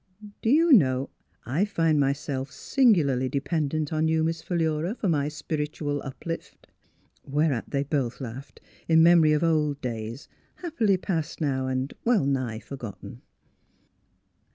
Do you know I find myself singularly dependent on you, Miss Philura, for my spiritual uplift?" Whereat they both laughed in memory of old days, happily past now and well nigh forgotten.